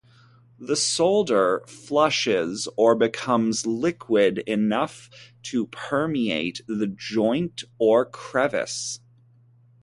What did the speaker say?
The solder flushes or becomes liquid enough to permeate the joint or crevice.